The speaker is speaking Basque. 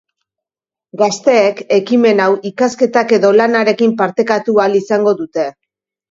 Gazteek, ekimen hau ikasketak edo lanarekin partekatu ahal izango dute.